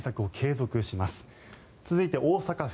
続いて、大阪府。